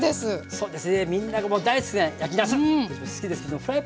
そうです。